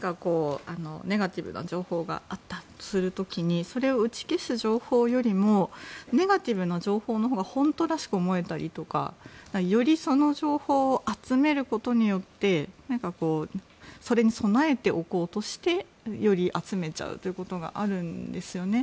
ネガティブな情報があったりする時にそれを打ち消す情報よりもネガティブな情報のほうが本当らしく思えたりとかより、その情報を集めることによってそれに備えておこうとしてより集めちゃうということがあるんですよね。